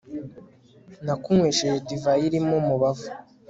nakunywesheje kuri divayi irimo umubavu